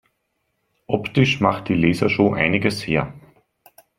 Optisch macht die Lasershow einiges her.